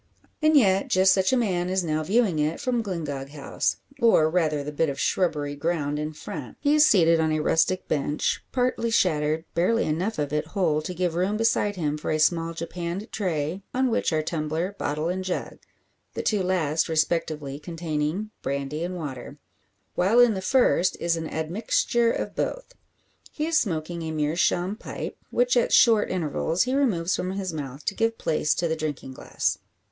And yet just such a man is now viewing it from Glyngog House, or rather the bit of shrubbery ground in front. He is seated on a rustic bench partly shattered, barely enough of it whole to give room beside him for a small japanned tray, on which are tumbler, bottle and jug the two last respectively containing brandy and water; while in the first is an admixture of both. He is smoking a meerschaum pipe, which at short intervals he removes from his mouth to give place to the drinking glass.